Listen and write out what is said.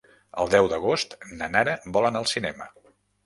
El deu d'agost na Nara vol anar al cinema.